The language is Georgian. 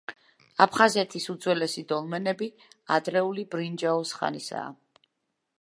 აფხაზეთის უძველესი დოლმენები ადრეული ბრინჯაოს ხანისაა.